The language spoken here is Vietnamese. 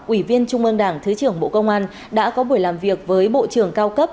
ủy viên trung ương đảng thứ trưởng bộ công an đã có buổi làm việc với bộ trưởng cao cấp